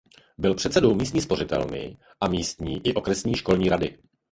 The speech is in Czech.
Byl předsedou místní spořitelny a místní i okresní školní rady.